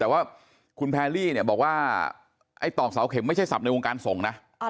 แต่ว่าคุณแพรรี่เนี่ยบอกว่าไอ้ตอกเสาเข็มไม่ใช่ศัพทในวงการส่งนะ